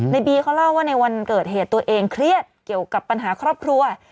บีเขาเล่าว่าในวันเกิดเหตุตัวเองเครียดเกี่ยวกับปัญหาครอบครัว